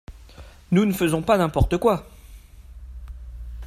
Nous ne faisons pas n’importe quoi.